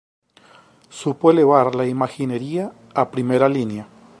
Supo elevar la imaginería a primera línea.